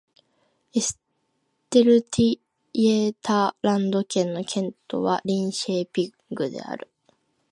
エステルイェータランド県の県都はリンシェーピングである